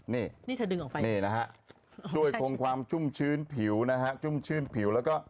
นี่นี่นะคะช่วยคงความชุ่มชื้นผิวชุ่มชื่นผิวแล้วก็